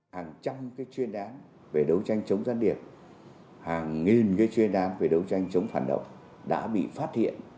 hàng trăm chuyên đám về đấu tranh chống gián điệp hàng nghìn chuyên đám về đấu tranh chống phản động đã bị phát hiện